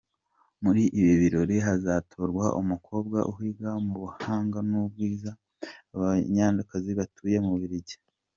Muri ibi birori hazatorwa umukobwa uhiga mu buhanga n’ubwiza Abanyarwandakazi batuye mu Bubiligi.